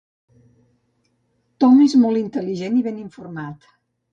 Tom és molt intel·ligent i ben informat.